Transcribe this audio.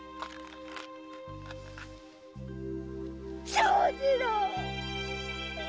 長次郎！